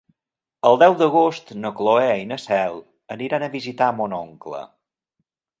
El deu d'agost na Cloè i na Cel aniran a visitar mon oncle.